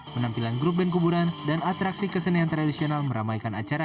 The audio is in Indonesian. penampilan grup band kuburan dan atraksi kesenian tradisional meramaikan acara